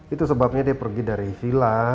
itu sebabnya dia pergi dari villa